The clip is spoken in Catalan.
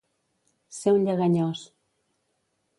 Ser un lleganyós.